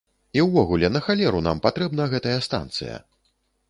І ўвогуле, на халеру нам патрэбна гэтая станцыя?